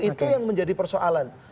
itu yang menjadi persoalan